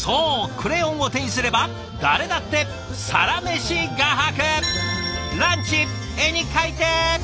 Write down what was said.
クレヨンを手にすれば誰だってサラメシ画伯！